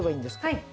はい。